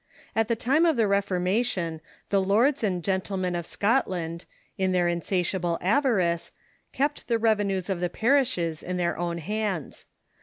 At the time Erskmc Schism ' of the Reformation the lords and gentlemen of Scotland, in their insatiable avarice, kept the revenues of the parishes in tluiir own hamls.